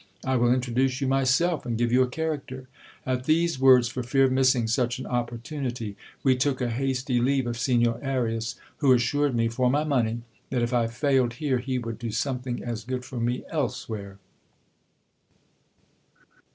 I will introduce you myself, and give you a character. At these words, for fear of missing such an opportunity, we took a hasty leave of Signor Arias, who as sured me, for my money, that if I failed here, he would do something as good for me elsewhere.